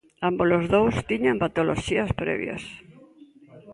Ámbolos dous tiñan patoloxías previas.